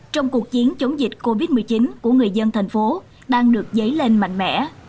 trong cuộc chiến chống dịch covid một mươi chín của người dân thành phố đang được dấy lên mạnh mẽ